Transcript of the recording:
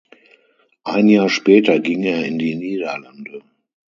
Ein Jahr später ging er in die Niederlande.